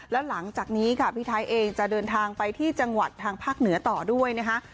แล้วหลังจากนี้ค่ะพี่ไทยเองจะเดินทางไปที่จังหวัดทางภาคเหนือต่อด้วยนะคะ